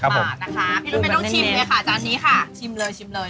บาทนะคะพี่รุ๊ไม่ต้องชิมเลยค่ะจานนี้ค่ะชิมเลยชิมเลย